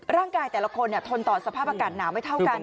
ร่างกายแต่ละคนเนี่ยทนต่อสภาพอากาศหนาวไม่เท่ากันนะ